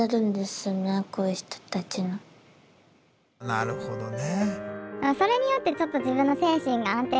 なるほどね。